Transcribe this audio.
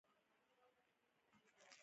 په دې ترتیب به هغه بې وسيلې خلک کار ونه مومي